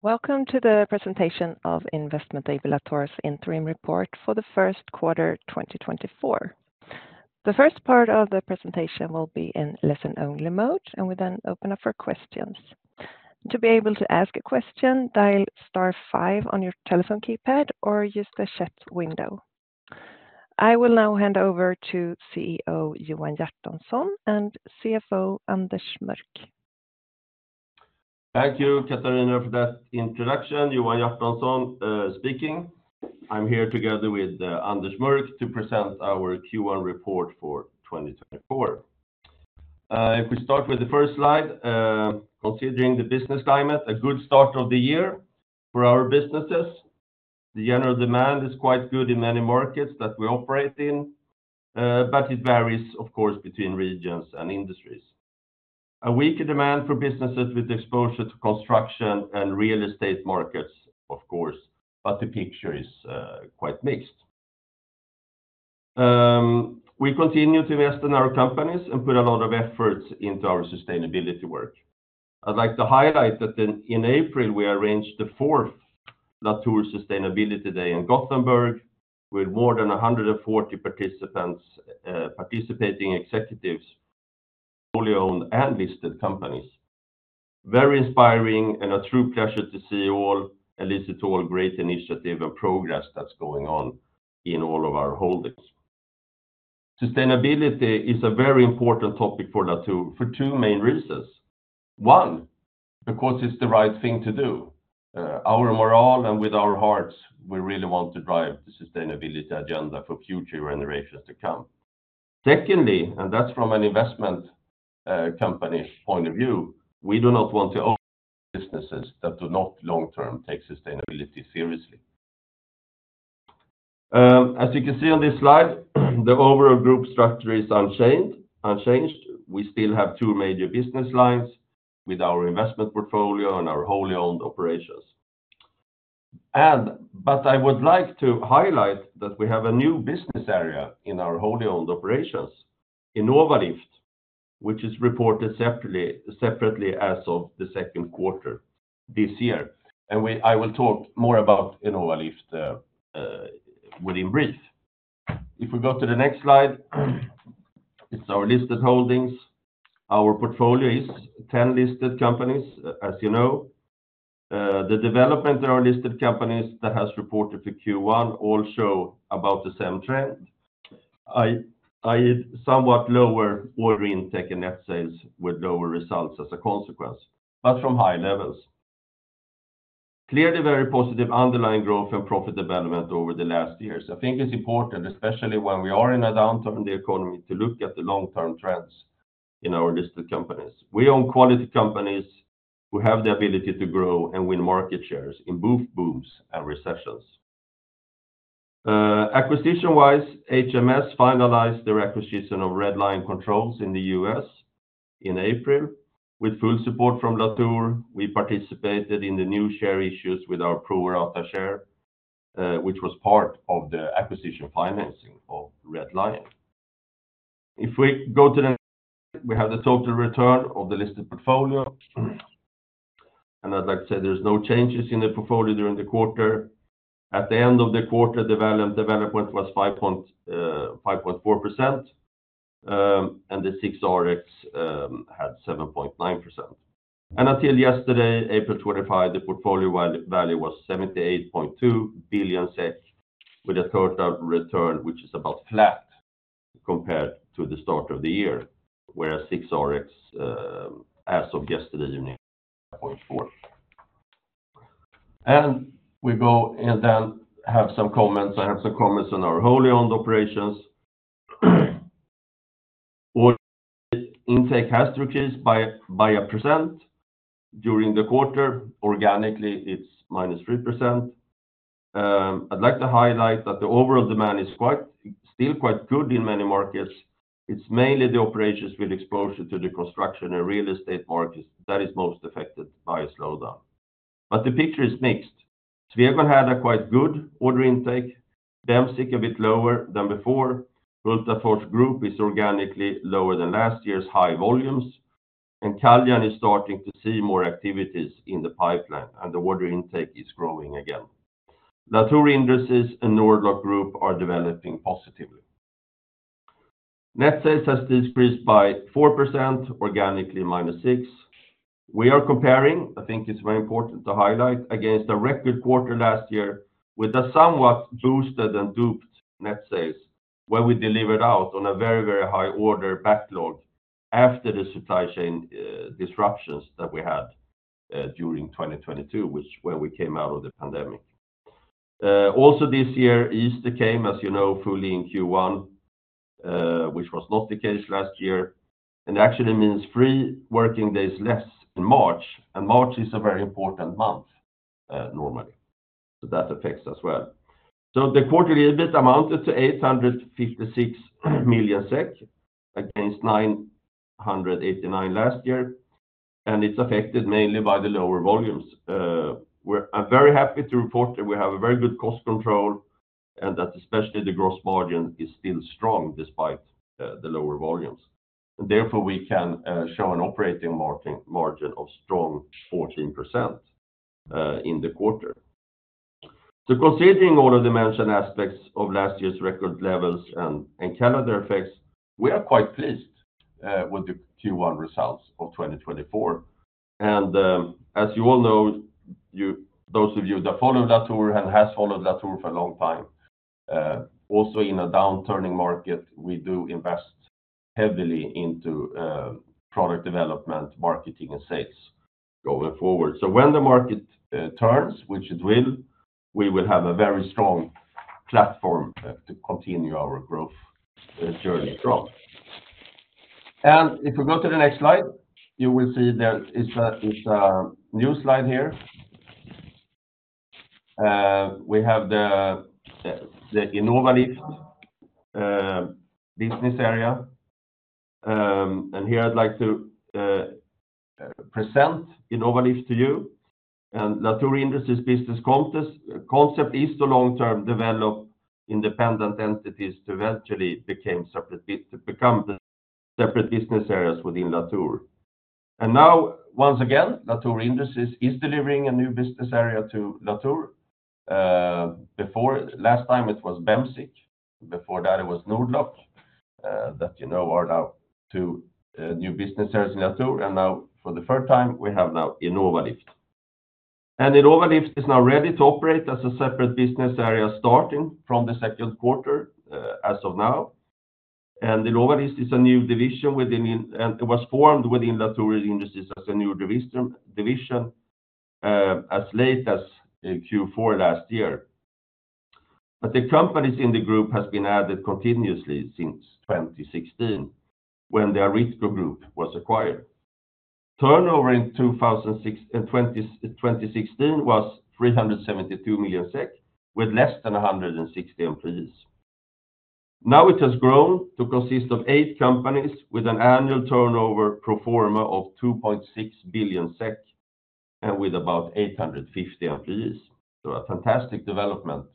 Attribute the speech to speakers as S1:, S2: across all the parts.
S1: Welcome to the presentation of Investment AB Latour's interim report for the first quarter, 2024. The first part of the presentation will be in listen-only mode, and we then open up for questions. To be able to ask a question, dial star five on your telephone keypad or use the chat window. I will now hand over to CEO Johan Hjertonsson and CFO Anders Mörck.
S2: Thank you, Katarina, for that introduction. Johan Hjertonsson speaking. I'm here together with Anders Mörck to present our Q1 report for 2024. If we start with the first slide, considering the business climate, a good start of the year for our businesses. The general demand is quite good in many markets that we operate in, but it varies, of course, between regions and industries. A weaker demand for businesses with exposure to construction and real estate markets, of course, but the picture is quite mixed. We continue to invest in our companies and put a lot of efforts into our sustainability work. I'd like to highlight that in April, we arranged the fourth Latour Sustainability Day in Gothenburg, with more than 140 participants, participating executives, fully owned, and listed companies. Very inspiring and a true pleasure to see all and listen to all great initiative and progress that's going on in all of our holdings. Sustainability is a very important topic for Latour for two main reasons. One, because it's the right thing to do. Our morale and with our hearts, we really want to drive the sustainability agenda for future generations to come. Secondly, and that's from an investment company's point of view, we do not want to own businesses that do not long term take sustainability seriously. As you can see on this slide, the overall group structure is unchanged, unchanged. We still have two major business lines with our investment portfolio and our wholly owned operations. But I would like to highlight that we have a new business area in our wholly owned operations, Innovalift, which is reported separately, separately as of the second quarter this year. And we I will talk more about Innovalift, within brief. If we go to the next slide, it's our listed holdings. Our portfolio is 10 listed companies, as you know. The development of our listed companies that has reported for Q1 all show about the same trend. Somewhat lower order intake and net sales, with lower results as a consequence, but from high levels. Clearly very positive underlying growth and profit development over the last years. I think it's important, especially when we are in a downturn in the economy, to look at the long-term trends in our listed companies. We own quality companies who have the ability to grow and win market shares in both booms and recessions. Acquisition-wise, HMS finalized the acquisition of Red Lion Controls in the U.S. in April. With full support from Latour, we participated in the new share issues with our pro-rata share, which was part of the acquisition financing of Red Lion. If we go to the... We have the total return of the listed portfolio. I'd like to say there's no changes in the portfolio during the quarter. At the end of the quarter, development was 5.4%, and the SIX RX had 7.9%. Until yesterday, April 25, the portfolio-wide value was 78.2 billion SEK, with a total return, which is about flat compared to the start of the year, whereas SIX RX, as of yesterday evening, 0.4. And we go and then have some comments. I have some comments on our wholly owned operations. Order intake has decreased by 1% during the quarter. Organically, it's -3%. I'd like to highlight that the overall demand is quite, still quite good in many markets. It's mainly the operations with exposure to the construction and real estate markets that is most affected by a slowdown. But the picture is mixed. Swegon had a quite good order intake, Bemsiq a bit lower than before. Hultafors Group is organically lower than last year's high volumes, and Caljan is starting to see more activities in the pipeline, and the order intake is growing again. Latour Industries and Nord-Lock Group are developing positively. Net sales has decreased by 4%, organically, -6%. We are comparing, I think it's very important to highlight, against a record quarter last year with a somewhat boosted and doped net sales, where we delivered out on a very, very high order backlog after the supply chain disruptions that we had during 2022, which when we came out of the pandemic. Also this year, Easter came, as you know, fully in Q1, which was not the case last year, and actually means 3 working days less in March, and March is a very important month, normally, so that affects as well. So the quarterly EBIT amounted to 856 million SEK, against 989 million last year, and it's affected mainly by the lower volumes. I'm very happy to report that we have a very good cost control and that especially the gross margin is still strong despite the lower volumes. Therefore, we can show an operating margin of strong 14% in the quarter. So considering all of the mentioned aspects of last year's record levels and calendar effects, we are quite pleased with the Q1 results of 2024. And as you all know, those of you that followed Latour and has followed Latour for a long time, also in a downturning market, we do invest heavily into product development, marketing, and sales going forward. So when the market turns, which it will, we will have a very strong platform to continue our growth journey strong. And if we go to the next slide, you will see there is a new slide here. We have the Innovalift business area. And here I'd like to present Innovalift to you. And Latour Industries business concept is to long term develop independent entities to eventually become the separate business areas within Latour. And now, once again, Latour Industries is delivering a new business area to Latour. Before, last time, it was Bemsiq, before that, it was Nord-Lock, that you know are now two new business areas in Latour, and now for the third time, we have now Innovalift. Innovalift is now ready to operate as a separate business area, starting from the second quarter, as of now. Innovalift is a new division within it, and it was formed within Latour Industries as a new division, as late as in Q4 last year. But the companies in the group has been added continuously since 2016, when the Aritco Group was acquired. Turnover in 2016 was 372 million SEK, with less than 160 employees. Now it has grown to consist of eight companies with an annual turnover pro forma of 2.6 billion SEK, and with about 850 employees. So a fantastic development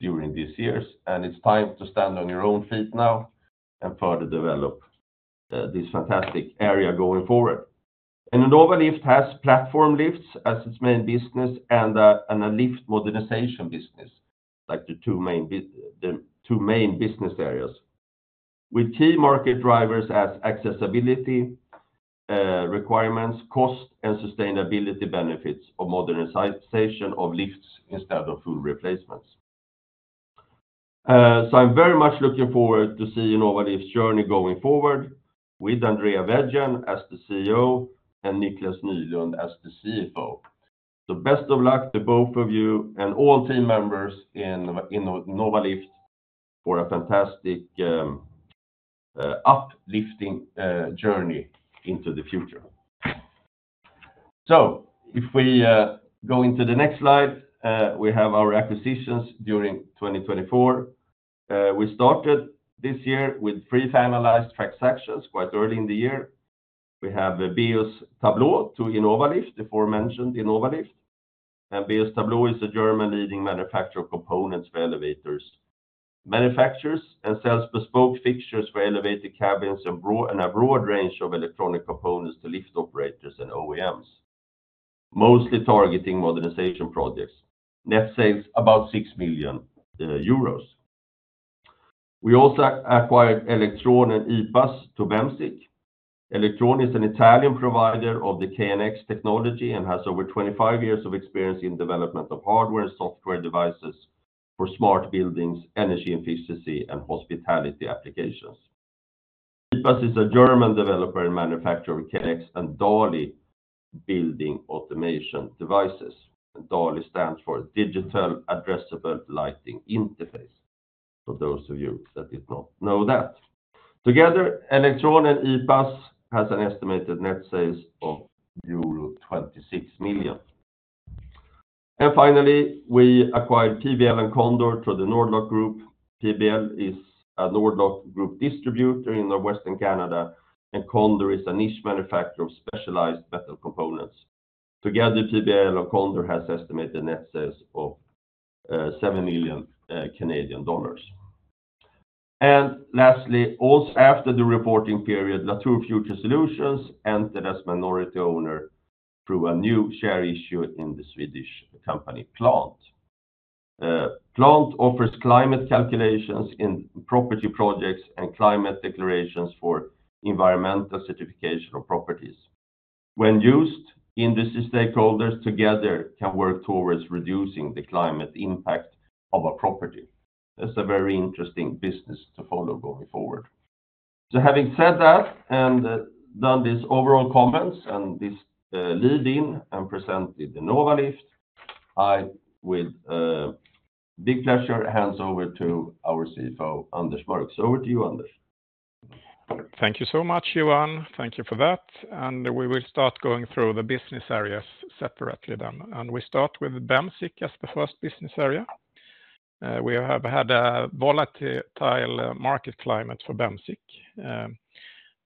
S2: during these years, and it's time to stand on your own feet now and further develop this fantastic area going forward. Innovalift has platform lifts as its main business and a lift modernization business, like the two main business areas, with key market drivers as accessibility requirements, cost, and sustainability benefits of modernization of lifts instead of full replacements. So I'm very much looking forward to seeing Innovalift's journey going forward with Andrea Veggian as the CEO and Niklas Nylund as the CFO. Best of luck to both of you and all team members in Innovalift for a fantastic uplifting journey into the future. If we go into the next slide, we have our acquisitions during 2024. We started this year with three finalized transactions quite early in the year. We have BS Tableau to Innovalift, the aforementioned Innovalift, and BS Tableau is a German leading manufacturer of components for elevators. Manufactures and sells bespoke fixtures for elevator cabins and broad, and a broad range of electronic components to lift operators and OEMs, mostly targeting modernization projects. Net sales, about 6 million euros. We also acquired Eelectron and IPAS to Bemsiq. Eelectron is an Italian provider of the KNX technology and has over 25 years of experience in development of hardware and software devices for smart buildings, energy efficiency, and hospitality applications. IPAS is a German developer and manufacturer of KNX and DALI building automation devices. And DALI stands for Digital Addressable Lighting Interface, for those of you that did not know that. Together, Eelectron and IPAS has an estimated net sales of euro 26 million. And finally, we acquired PBL and Condor through the Nord-Lock Group. PBL is a Nord-Lock Group distributor in Western Canada, and Condor is a niche manufacturer of specialized metal components. Together, PBL and Condor has estimated net sales of 7 million Canadian dollars. And lastly, also after the reporting period, Latour Future Solutions entered as minority owner through a new share issue in the Swedish company, Plant. Plant offers climate calculations in property projects and climate declarations for environmental certification of properties. When used, industry stakeholders together can work towards reducing the climate impact of a property. That's a very interesting business to follow going forward. So having said that, and done these overall comments and this lead in and presented Innovalift, I with big pleasure hands over to our CFO, Anders Mörck. Over to you, Anders.
S3: Thank you so much, Johan. Thank you for that. We will start going through the business areas separately then. We start with Bemsiq as the first business area. We have had a volatile market climate for Bemsiq.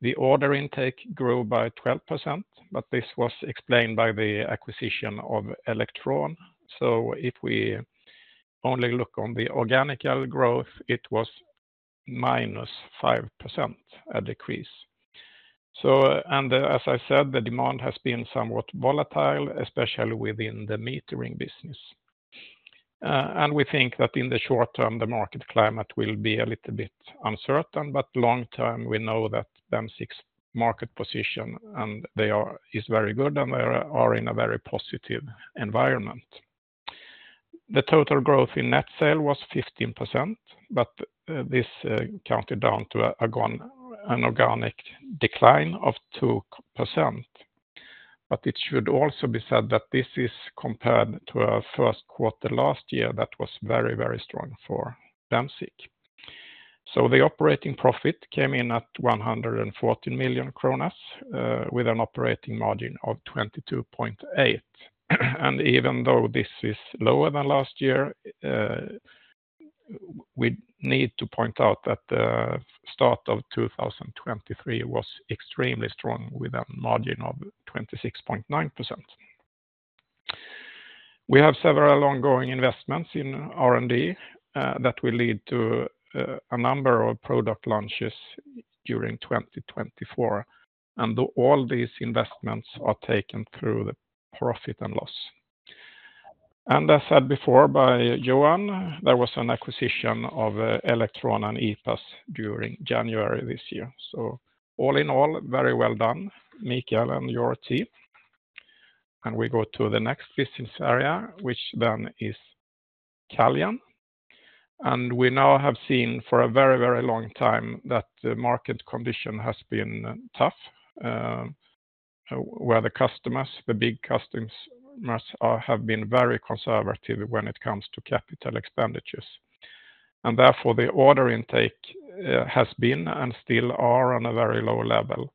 S3: The order intake grew by 12%, but this was explained by the acquisition of Eelectron. So if we only look on the organic growth, it was -5%, a decrease. As I said, the demand has been somewhat volatile, especially within the metering business. We think that in the short term, the market climate will be a little bit uncertain, but long term, we know that Bemsiq market position is very good, and they are in a very positive environment. The total growth in net sale was 15%, but this counted down to an organic decline of 2%. But it should also be said that this is compared to our first quarter last year, that was very, very strong for Bemsiq. So the operating profit came in at 114 million kronor, with an operating margin of 22.8%. And even though this is lower than last year, we need to point out that the start of 2023 was extremely strong, with a margin of 26.9%. We have several ongoing investments in R&D, that will lead to a number of product launches during 2024, and all these investments are taken through the profit and loss. As said before by Johan, there was an acquisition of Eelectron and IPAS during January this year. So all in all, very well done, Mikael and your team. We go to the next business area, which then is Caljan. We now have seen for a very, very long time that the market condition has been tough, where the customers, the big customers, have been very conservative when it comes to capital expenditures. Therefore, the order intake has been and still are on a very low level,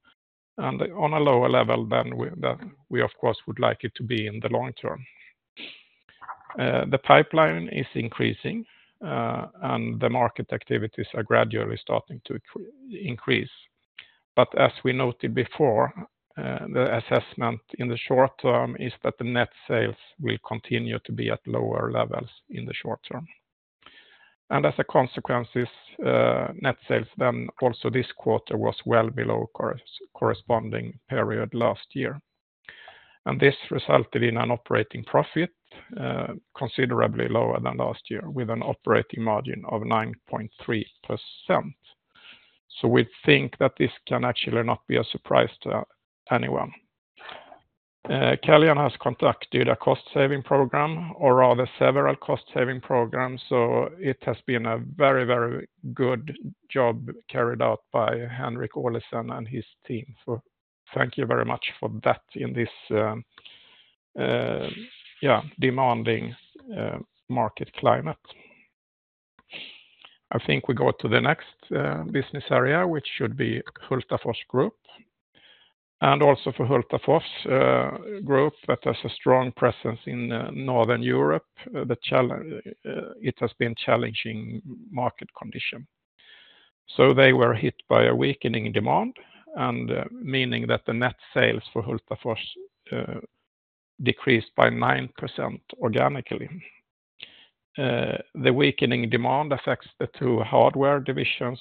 S3: and on a lower level than we, than we, of course, would like it to be in the long term. The pipeline is increasing, and the market activities are gradually starting to increase. But as we noted before, the assessment in the short term is that the net sales will continue to be at lower levels in the short term. And as a consequence, this net sales then also this quarter was well below corresponding period last year, and this resulted in an operating profit considerably lower than last year, with an operating margin of 9.3%. So we think that this can actually not be a surprise to anyone. Caljan has conducted a cost-saving program or rather several cost-saving programs, so it has been a very, very good job carried out by Henrik Olesen and his team. So thank you very much for that in this demanding market climate. I think we go to the next business area, which should be Hultafors Group, and also for Hultafors Group, that has a strong presence in Northern Europe. The challenge it has been challenging market conditions, so they were hit by a weakening demand and meaning that the net sales for Hultafors decreased by 9% organically. The weakening demand affects the two hardware divisions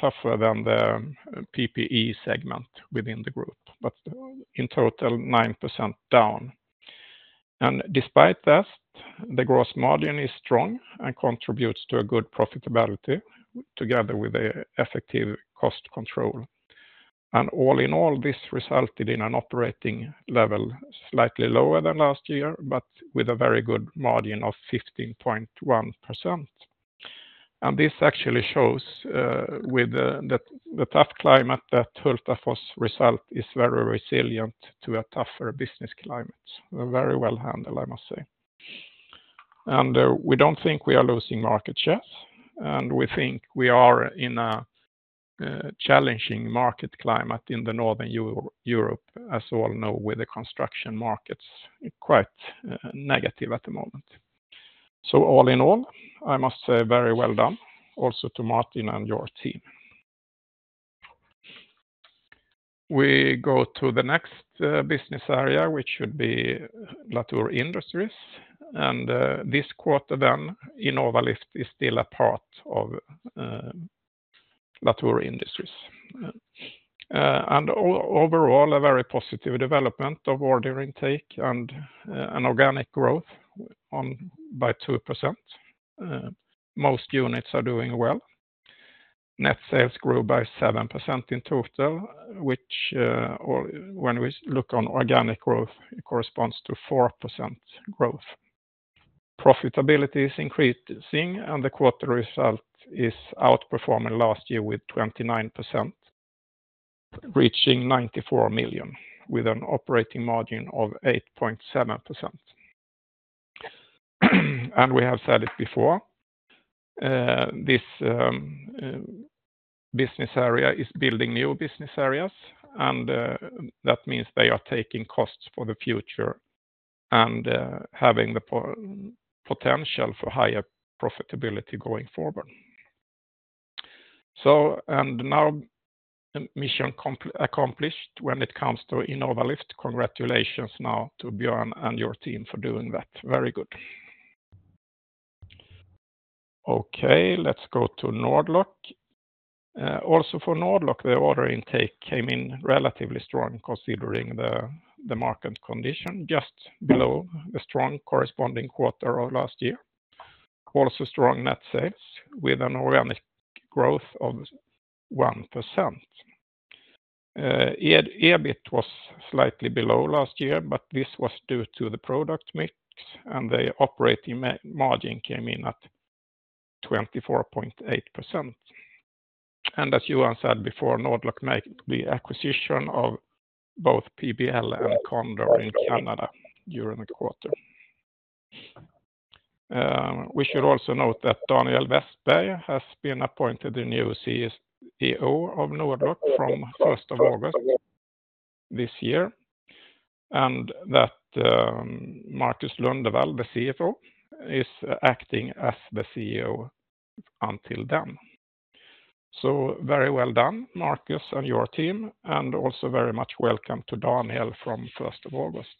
S3: tougher than the PPE segment within the group, but in total, 9% down. And despite that, the gross margin is strong and contributes to a good profitability together with the effective cost control. And all in all, this resulted in an operating level slightly lower than last year, but with a very good margin of 15.1%. And this actually shows, with the tough climate, that Hultafors result is very resilient to a tougher business climate. Very well handled, I must say. And we don't think we are losing market shares, and we think we are in a challenging market climate in the Northern Europe, as you all know, with the construction markets quite negative at the moment. So all in all, I must say very well done also to Martin and your team. We go to the next business area, which should be Latour Industries, and this quarter then, Innovalift is still a part of Latour Industries. And overall, a very positive development of order intake and an organic growth of 2%. Most units are doing well. Net sales grew by 7% in total, which, or when we look on organic growth, it corresponds to 4% growth. Profitability is increasing, and the quarter result is outperforming last year with 29%, reaching 94 million, with an operating margin of 8.7%. And we have said it before, this business area is building new business areas, and that means they are taking costs for the future... and having the potential for higher profitability going forward. So, and now mission accomplished when it comes to Innovalift. Congratulations now to Björn and your team for doing that. Very good. Okay, let's go to Nord-Lock. Also for Nord-Lock, the order intake came in relatively strong, considering the market condition, just below the strong corresponding quarter of last year. Also strong net sales with an organic growth of 1%. EBIT was slightly below last year, but this was due to the product mix, and the operating margin came in at 24.8%. As Johan said before, Nord-Lock make the acquisition of both PBL and Condor in Canada during the quarter. We should also note that Daniel Westberg has been appointed the new CEO of Nord-Lock from first of August this year, and that Markus Lundevall, the CFO, is acting as the CEO until then. Very well done, Markus, and your team, and also very much welcome to Daniel from first of August.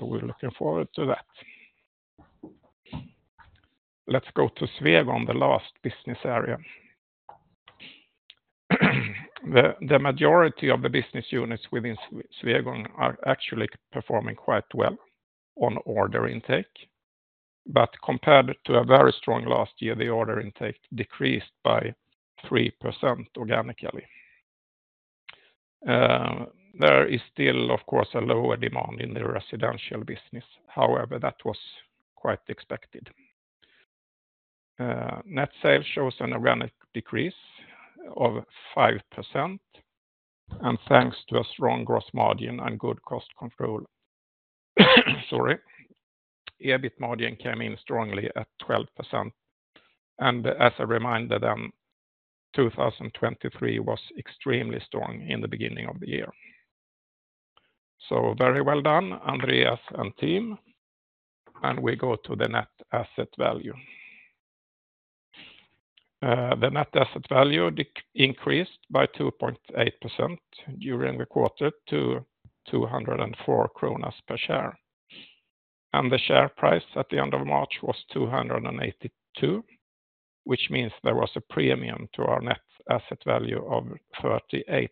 S3: We're looking forward to that. Let's go to Swegon, the last business area. The majority of the business units within Swegon are actually performing quite well on order intake, but compared to a very strong last year, the order intake decreased by 3% organically. There is still, of course, a lower demand in the residential business. However, that was quite expected. Net sales shows an organic decrease of 5%, and thanks to a strong gross margin and good cost control, sorry, EBIT margin came in strongly at 12%. And as a reminder, then, 2023 was extremely strong in the beginning of the year. So very well done, Andreas and team, and we go to the net asset value. The net asset value increased by 2.8% during the quarter to 204 kronor per share, and the share price at the end of March was 282, which means there was a premium to our net asset value of 38%.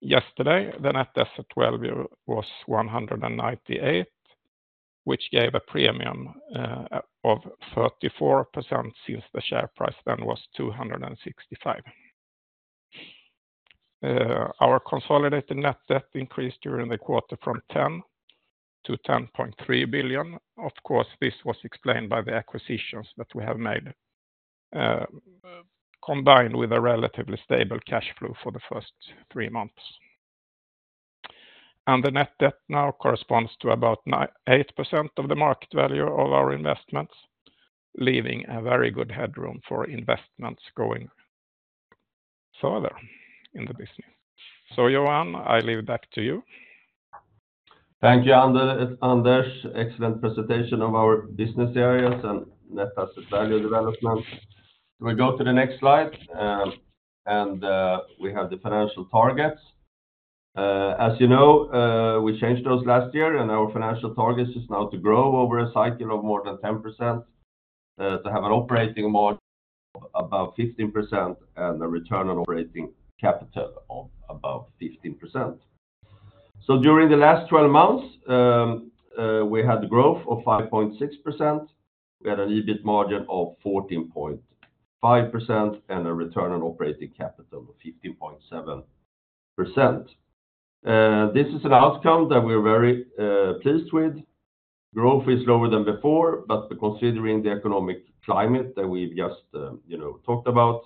S3: Yesterday, the net asset value was 198, which gave a premium of 34%, since the share price then was 265. Our consolidated net debt increased during the quarter from SEK 10 billion to 10.3 billion. Of course, this was explained by the acquisitions that we have made, combined with a relatively stable cash flow for the first three months. The net debt now corresponds to about 8% of the market value of our investments, leaving a very good headroom for investments going further in the business. Johan, I leave it back to you.
S2: Thank you, Anders. Excellent presentation of our business areas and net asset value development. We go to the next slide, and we have the financial targets. As you know, we changed those last year, and our financial targets is now to grow over a cycle of more than 10%, to have an operating margin of about 15% and a return on operating capital of about 15%. So during the last 12 months, we had growth of 5.6%. We had an EBIT margin of 14.5% and a return on operating capital of 15.7%. This is an outcome that we're very pleased with. Growth is lower than before, but considering the economic climate that we've just, you know, talked about,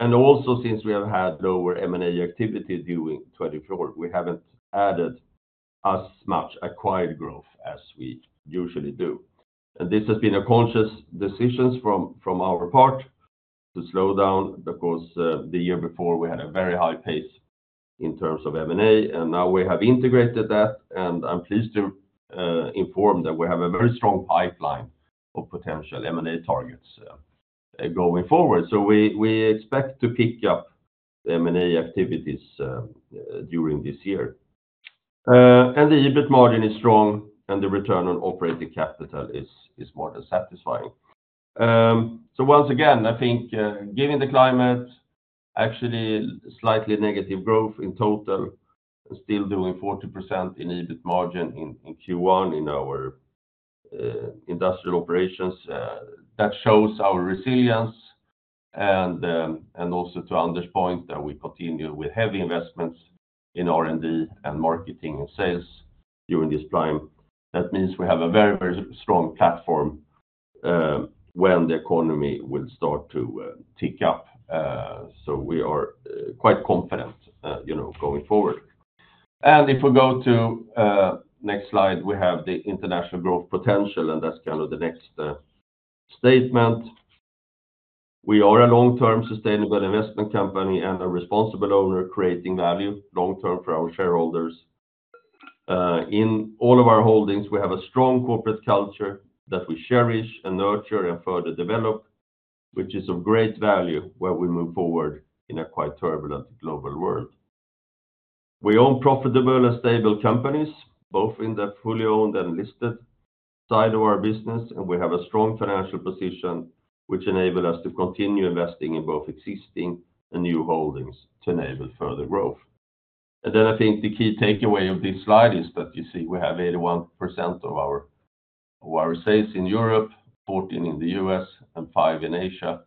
S2: and also since we have had lower M&A activity during 2024, we haven't added as much acquired growth as we usually do. And this has been a conscious decision from our part to slow down, because the year before, we had a very high pace in terms of M&A, and now we have integrated that, and I'm pleased to inform that we have a very strong pipeline of potential M&A targets going forward. So we expect to pick up M&A activities during this year. And the EBIT margin is strong, and the return on operating capital is more than satisfying. So once again, I think, given the climate, actually slightly negative growth in total, still doing 40% in EBIT margin in Q1 in our industrial operations, that shows our resilience, and also to Anders' point, that we continue with heavy investments in R&D and marketing and sales during this time. That means we have a very, very strong platform, when the economy will start to tick up. So we are quite confident, you know, going forward. And if we go to next slide, we have the international growth potential, and that's kind of the next statement. We are a long-term sustainable investment company and a responsible owner creating value long-term for our shareholders. In all of our holdings, we have a strong corporate culture that we cherish and nurture and further develop, which is of great value where we move forward in a quite turbulent global world. We own profitable and stable companies, both in the fully owned and listed side of our business, and we have a strong financial position, which enable us to continue investing in both existing and new holdings to enable further growth. Then I think the key takeaway of this slide is that you see we have 81% of our sales in Europe, 14% in the U.S., and 5% in Asia.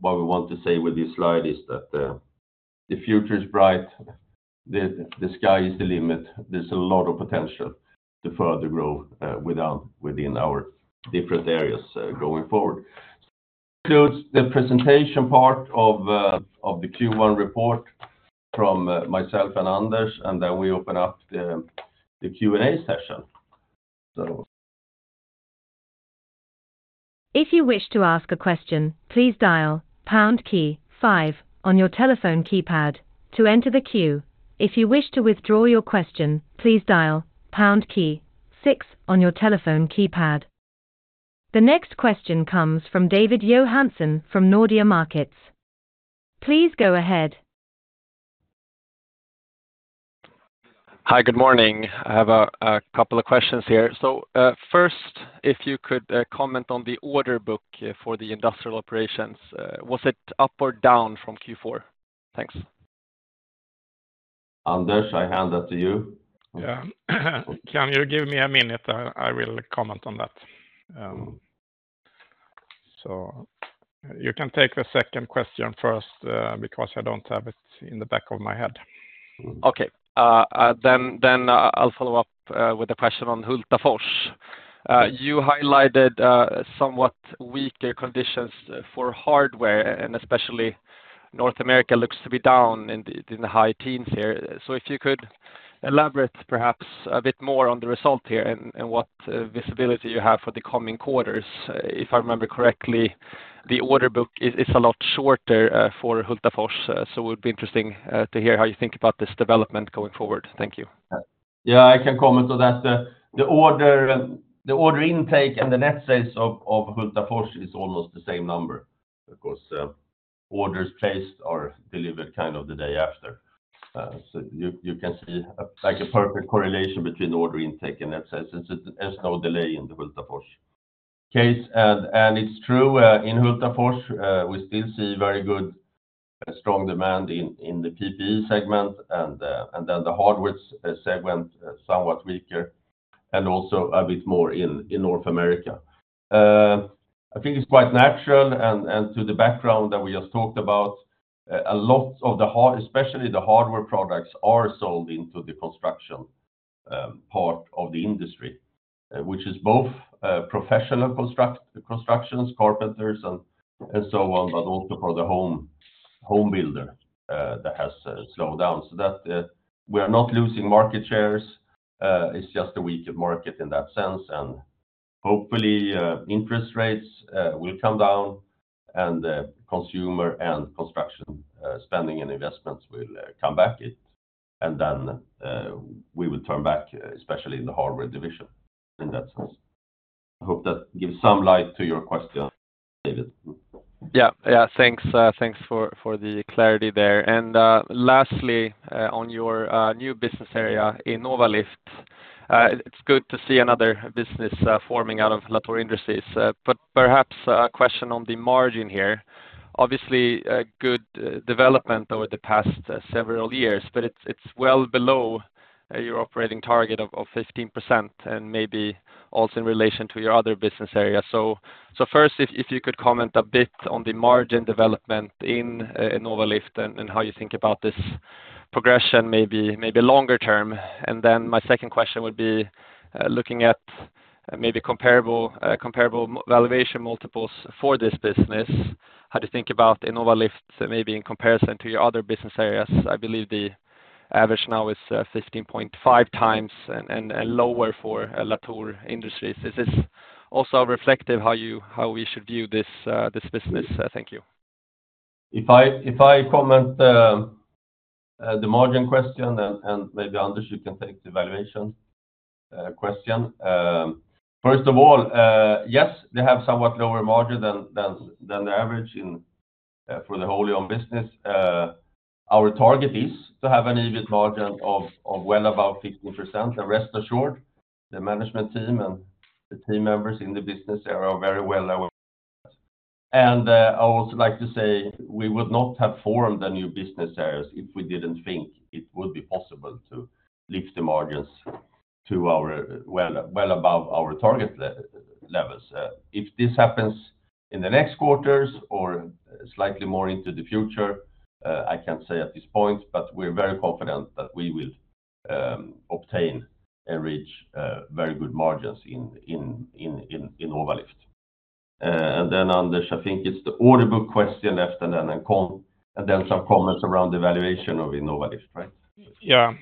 S2: What we want to say with this slide is that the future is bright, the sky is the limit. There's a lot of potential to further grow within our different areas going forward. Includes the presentation part of the Q1 report from myself and Anders, and then we open up the Q&A session. So-
S4: If you wish to ask a question, please dial pound key five on your telephone keypad to enter the queue. If you wish to withdraw your question, please dial pound key six on your telephone keypad. The next question comes from David Johansson from Nordea Markets. Please go ahead.
S5: Hi, good morning. I have a couple of questions here. So, first, if you could comment on the order book for the industrial operations, was it up or down from Q4? Thanks.
S2: Anders, I hand that to you.
S3: Yeah. Can you give me a minute? I will comment on that. So you can take the second question first, because I don't have it in the back of my head.
S5: Okay. Then I'll follow up with a question on Hultafors. You highlighted somewhat weaker conditions for hardware, and especially North America looks to be down in the high teens here. So if you could elaborate, perhaps a bit more on the result here and what visibility you have for the coming quarters. If I remember correctly, the order book is a lot shorter for Hultafors, so it would be interesting to hear how you think about this development going forward. Thank you.
S2: Yeah, I can comment on that. The order intake and the net sales of Hultafors is almost the same number, because orders placed are delivered kind of the day after. So you can see like a perfect correlation between order intake and net sales. There's no delay in the Hultafors case. And it's true, in Hultafors, we still see very good, strong demand in the PPE segment and then the hardware segment, somewhat weaker, and also a bit more in North America. I think it's quite natural and to the background that we just talked about, a lot of, especially the hardware products, are sold into the construction part of the industry, which is both professional construction, carpenters, and so on, but also for the home builder that has slowed down. So that we are not losing market shares, it's just a weaker market in that sense, and hopefully interest rates will come down, and the consumer and construction spending and investments will come back it. And then we will turn back, especially in the hardware division, in that sense. I hope that gives some light to your question, David.
S5: Yeah. Yeah, thanks, thanks for the clarity there. And lastly, on your new business area, Innovalift. It's good to see another business forming out of Latour Industries, but perhaps a question on the margin here. Obviously, a good development over the past several years, but it's well below your operating target of 15% and maybe also in relation to your other business areas. So first, if you could comment a bit on the margin development in Innovalift and how you think about this progression, maybe longer term. And then my second question would be looking at maybe comparable valuation multiples for this business, how do you think about Innovalift, maybe in comparison to your other business areas? I believe the average now is 15.5 times and lower for Latour Industries. Is this also reflective how we should view this business? Thank you.
S2: If I comment the margin question, and maybe Anders, you can take the valuation question. First of all, yes, they have somewhat lower margin than the average in for the wholly owned business. Our target is to have an EBIT margin of well above 15%, and rest assured, the management team and the team members in the business are very well aware of that. I would also like to say we would not have formed the new business areas if we didn't think it would be possible to lift the margins to our well above our target levels. If this happens in the next quarters or slightly more into the future, I can't say at this point, but we're very confident that we will obtain and reach very good margins in Innovalift. And then, Anders, I think it's the order book question left, and then some comments around the valuation of Innovalift, right?
S3: Yeah,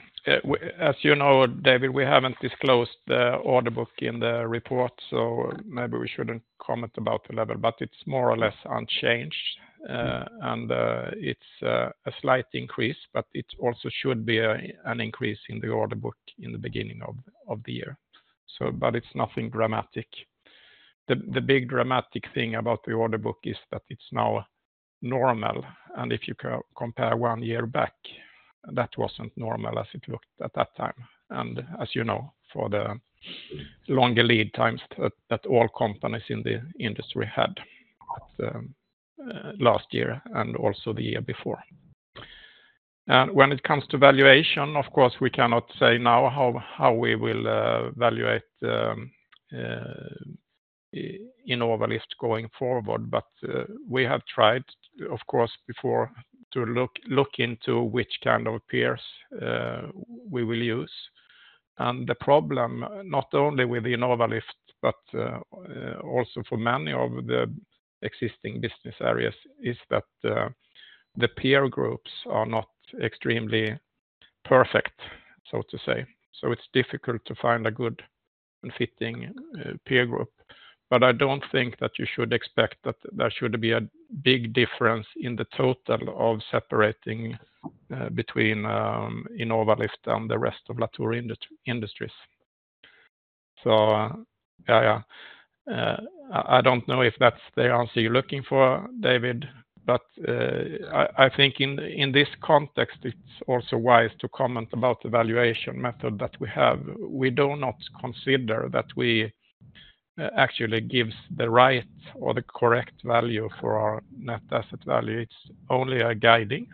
S3: as you know, David, we haven't disclosed the order book in the report, so maybe we shouldn't comment about the level, but it's more or less unchanged. And it's a slight increase, but it also should be an increase in the order book in the beginning of the year. So, but it's nothing dramatic. The big dramatic thing about the order book is that it's now normal, and if you compare one year back, that wasn't normal as it looked at that time. And as you know, for the longer lead times that all companies in the industry had at the last year and also the year before. And when it comes to valuation, of course, we cannot say now how we will valuate Innovalift going forward. But, we have tried, of course, before, to look into which kind of peers we will use. And the problem, not only with the Innovalift, but also for many of the existing business areas, is that the peer groups are not extremely perfect, so to say. So it's difficult to find a good and fitting peer group. But I don't think that you should expect that there should be a big difference in the total of separating between Innovalift and the rest of Latour Industries. So, yeah, yeah. I don't know if that's the answer you're looking for, David, but I think in this context, it's also wise to comment about the valuation method that we have. We do not consider that we actually gives the right or the correct value for our Net Asset Value. It's only a guiding,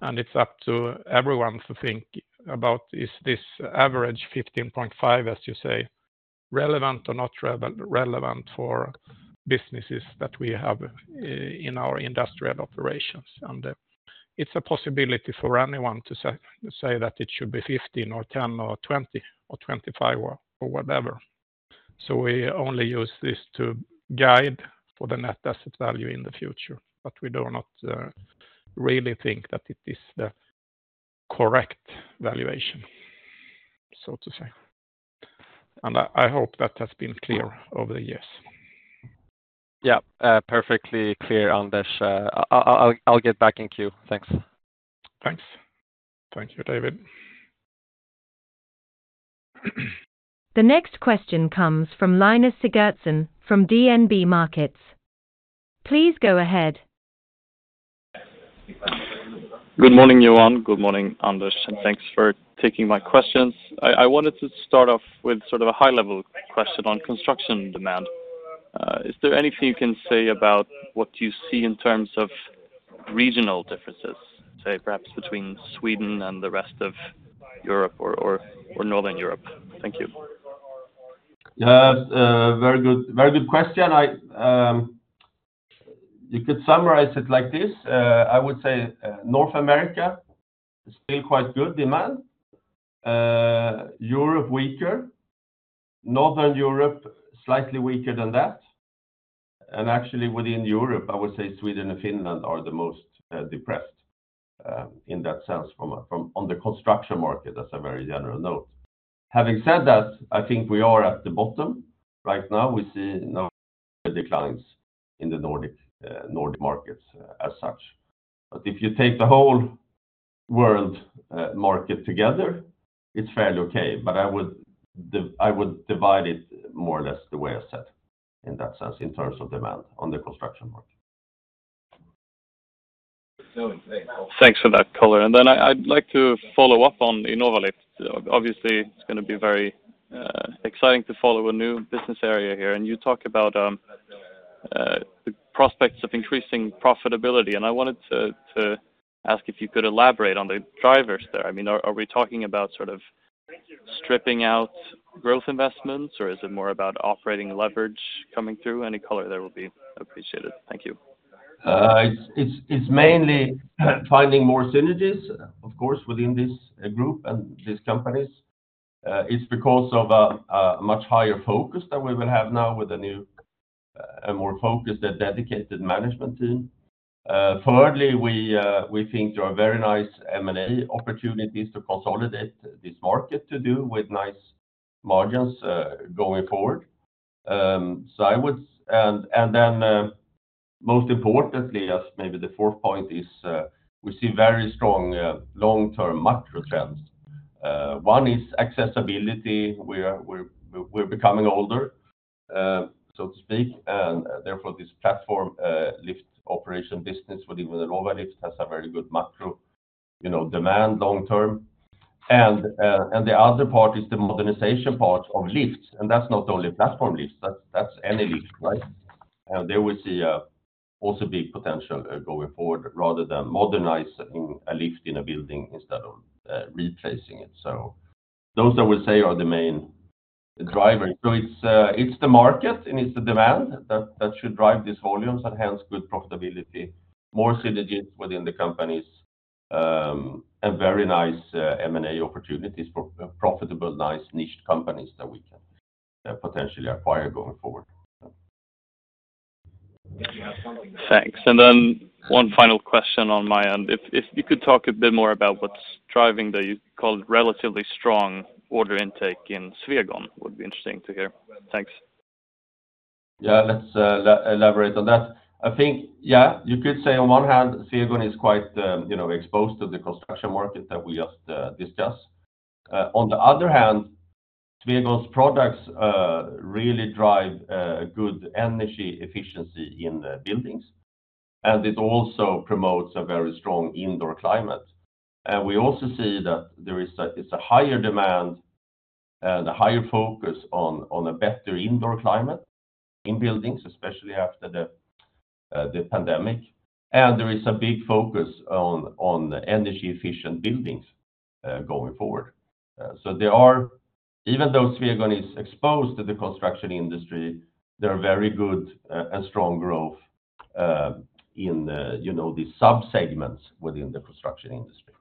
S3: and it's up to everyone to think about, is this average 15.5, as you say, relevant or not relevant for businesses that we have in our industrial operations? And it's a possibility for anyone to say that it should be 15 or 10 or 20 or 25 or whatever. So we only use this to guide for the Net Asset Value in the future, but we do not really think that it is the correct valuation, so to say. And I hope that has been clear over the years.
S5: Yeah, perfectly clear, Anders. I'll get back in queue. Thanks.
S3: Thanks. Thank you, David.
S4: The next question comes from Linus Sigurdsson from DNB Markets. Please go ahead.
S6: Good morning, Johan. Good morning, Anders, and thanks for taking my questions. I wanted to start off with sort of a high-level question on construction demand. Is there anything you can say about what you see in terms of regional differences, say, perhaps between Sweden and the rest of Europe or Northern Europe? Thank you.
S2: Yes, very good, very good question. I, you could summarize it like this. I would say, North America is still quite good demand, Europe, weaker, Northern Europe, slightly weaker than that. And actually, within Europe, I would say Sweden and Finland are the most depressed, in that sense, from on the construction market, that's a very general note. Having said that, I think we are at the bottom right now. We see no declines in the Nordic markets as such. But if you take the whole world market together, it's fairly okay, but I would divide it more or less the way I said, in that sense, in terms of demand on the construction market.
S6: Thanks for that color. And then I, I'd like to follow up on Innovalift. Obviously, it's gonna be very exciting to follow a new business area here. And you talk about the prospects of increasing profitability. And I wanted to ask if you could elaborate on the drivers there. I mean, are we talking about sort of stripping out growth investments, or is it more about operating leverage coming through? Any color there will be appreciated. Thank you.
S2: It's mainly finding more synergies, of course, within this group and these companies. It's because of a much higher focus that we will have now with a new, a more focused and dedicated management team. Thirdly, we think there are very nice M&A opportunities to consolidate this market to do with nice margins, going forward. And then, most importantly, as maybe the fourth point is, we see very strong, long-term macro trends. One is accessibility. We are becoming older, so to speak, and therefore, this platform lift operation business within Innovalift has a very good macro, you know, demand long term. And the other part is the modernization part of lifts, and that's not only platform lifts, that's any lift, right? There we see also big potential going forward rather than modernize a lift in a building instead of replacing it. Those I would say are the main drivers. It's the market and it's the demand that should drive these volumes and hence good profitability, more synergies within the companies, and very nice M&A opportunities for profitable nice niched companies that we can potentially acquire going forward.
S6: Thanks. And then one final question on my end. If you could talk a bit more about what's driving the, you called relatively strong order intake in Swegon, would be interesting to hear. Thanks.
S2: Yeah, let's elaborate on that. I think, yeah, you could say on one hand, Swegon is quite, you know, exposed to the construction market that we just discussed. On the other hand, Swegon's products really drive good energy efficiency in the buildings, and it also promotes a very strong indoor climate. And we also see that there is a, it's a higher demand and a higher focus on a better indoor climate in buildings, especially after the pandemic. And there is a big focus on energy efficient buildings going forward. So there are, even though Swegon is exposed to the construction industry, there are very good and strong growth in the, you know, the sub-segments within the construction industry.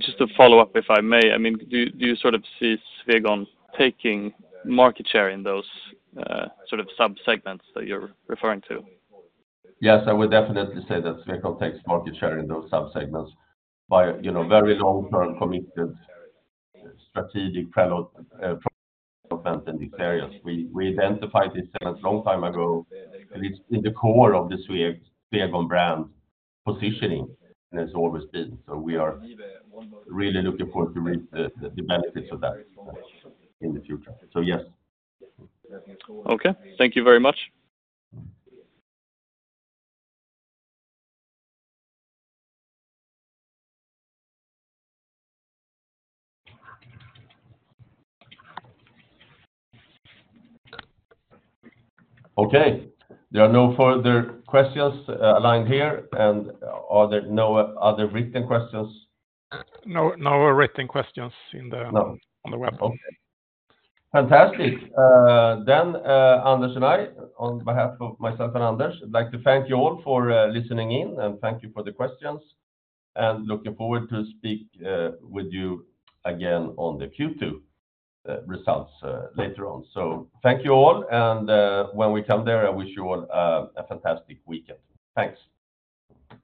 S6: Just to follow up, if I may, I mean, do you sort of see Swegon taking market share in those sort of sub-segments that you're referring to?
S2: Yes, I would definitely say that Swegon takes market share in those sub-segments by, you know, very long term committed strategic product development in these areas. We identified this a long time ago, and it's in the core of the Swegon brand positioning, and it's always been. So we are really looking forward to reap the benefits of that in the future. So, yes.
S6: Okay. Thank you very much.
S2: Okay. There are no further questions, aligned here, and are there no other written questions?
S3: No, no written questions in the.
S2: No
S3: On the web.
S2: Okay. Fantastic. Then, Anders and I, on behalf of myself and Anders, I'd like to thank you all for listening in, and thank you for the questions, and looking forward to speak with you again on the Q2 results later on. So thank you all, and when we come there, I wish you all a fantastic weekend. Thanks.